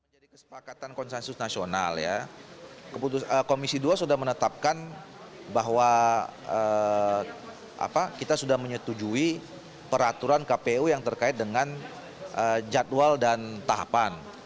jadi kesepakatan konsensus nasional ya komisi dua sudah menetapkan bahwa kita sudah menyetujui peraturan kpu yang terkait dengan jadwal dan tahapan